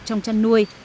trong chăn nuôi